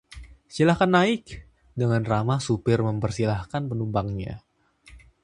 "Silakan naik !", dengan ramah sopir mempersilakan penumpangnya"